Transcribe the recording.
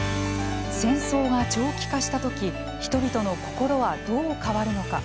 戦争が長期化した時人々の心はどう変わるのか。